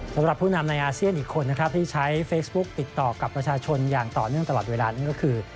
สำหรับผู้นำในอาเซียนอีกคนนะครับที่ใช้เฟซบุ๊กติดต่อกับประชาชนอย่างต่อเนื่องตลอดเวลานั่นก็คือ